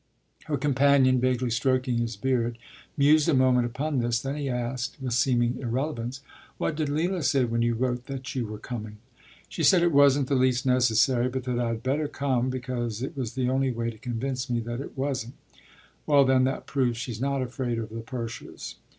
” Her companion, vaguely stroking his beard, mused a moment upon this; then he asked, with seeming irrelevance, “What did Leila say when you wrote that you were coming?” “She said it wasn’t the least necessary, but that I’d better come, because it was the only way to convince me that it wasn’t.” “Well, then, that proves she’s not afraid of the Purshes.